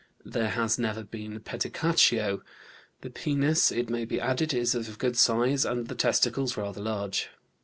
There has never been pedicatio. The penis, it may be added, is of good size, and the testicles rather large.